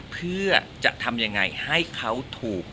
เพื่อจะทำยังไงให้เขาถูก